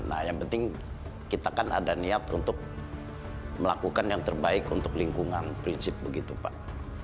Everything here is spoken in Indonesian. nah yang penting kita kan ada niat untuk melakukan yang terbaik untuk lingkungan prinsip begitu pak